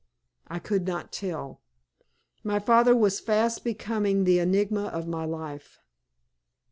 I could not tell. My father was fast becoming the enigma of my life.